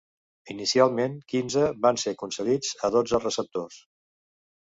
Inicialment quinze, van ser concedits a dotze receptors.